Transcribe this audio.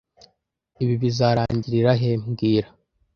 Ibi bizarangirira he mbwira